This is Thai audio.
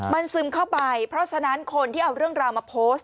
มันซึมเข้าไปเพราะฉะนั้นคนที่เอาเรื่องราวมาโพสต์